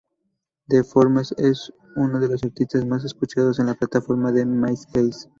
D-formes es uno de los artistas más escuchados en la plataforma de Myspace.